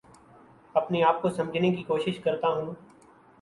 اپنے آپ کو سمجھنے کی کوشش کرتا ہوں